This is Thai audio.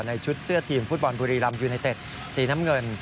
ชุดเสื้อทีมฟุตบอลบุรีรำยูไนเต็ดสีน้ำเงิน